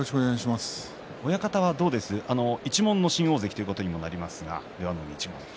親方はどうですか一門の新大関ということにもなりますが出羽海一門。